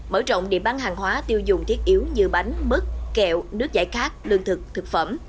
mở rộng điểm bán hàng hóa tiêu dùng thiết yếu như bánh mứt kẹo nước giải khát lương thực thực phẩm